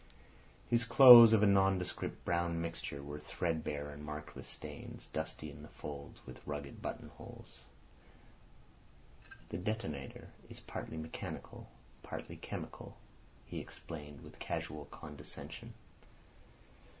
His clothes, of a nondescript brown mixture, were threadbare and marked with stains, dusty in the folds, with ragged button holes. "The detonator is partly mechanical, partly chemical," he explained, with casual condescension.